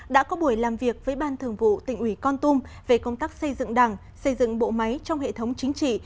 đã có buổi làm việc với ban thường vụ tỉnh ủy con tum về công tác xây dựng đảng xây dựng bộ máy trong hệ thống chính trị